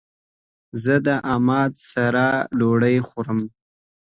زه د عماد سره ډوډی خورم